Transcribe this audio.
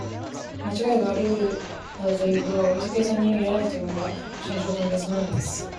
まちがいがありうるなどということはおよそ計算には入れないというのが、役所の仕事の原則なのです。